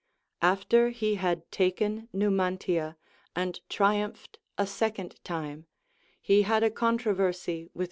After he had taken Numantia and triumphed a second time, he had a controversy with C.